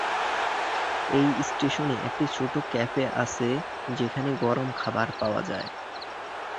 এই স্টেশনে একটি ছোট ক্যাফে আছে যেখানে গরম খাবার পাওয়া যায়।